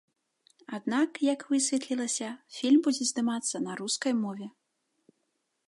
Аднак, як высветлілася, фільм будзе здымацца на рускай мове.